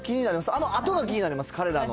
あのあとが気になります、彼らの。